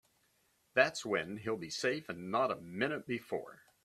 That's when he'll be safe and not a minute before.